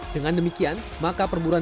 dengan demikian maka perburuan